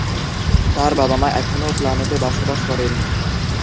তার বাবা-মা এখনও প্লানোতে বসবাস করেন।